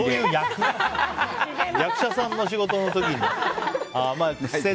役者さんの仕事の時に。